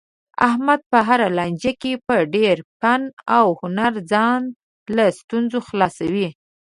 احمد په هره لانجه کې په ډېر فن او هنر ځان له ستونزو خلاصوي.